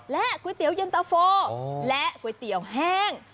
ก๋วยเตี๋ยวเย็นตะโฟและก๋วยเตี๋ยวแห้ง